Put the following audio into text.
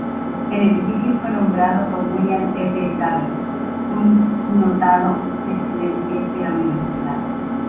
El edificio fue nombrado por William R. Davies, un notado presidente de la universidad.